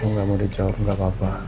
gue gak mau dijawab gak apa apa